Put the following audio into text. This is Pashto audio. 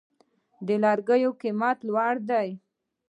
د لرګیو قیمت لوړ دی؟